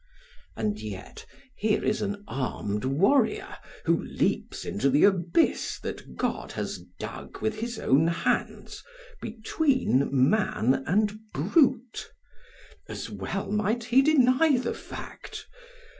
And yet here is an armed warrior who leaps into the abyss that God has dug with his own hands between man and brute; as well might he deny the fact.